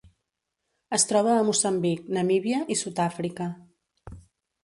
Es troba a Moçambic, Namíbia i Sud-àfrica.